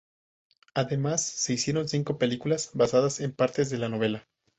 Además, se hicieron cinco películas basadas en partes de la novela.